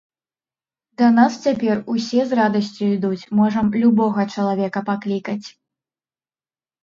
Да нас цяпер усе з радасцю ідуць, можам любога чалавека паклікаць.